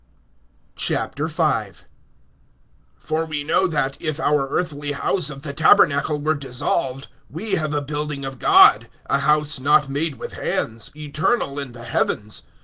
V. FOR we know that, if our earthly house of the tabernacle[5:1] were dissolved, we have a building of God, a house not made with hands, eternal in the heavens.